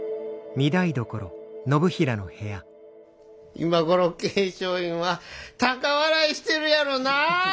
今頃桂昌院は高笑いしてるやろな。